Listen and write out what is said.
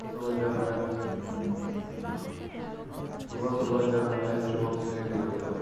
صبح صبح جب میں چوک سے گزرتا